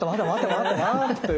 待ってよ。